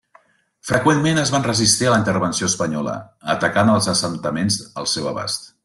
Freqüentment es van resistir a la intervenció espanyola, atacant els assentaments al seu abast.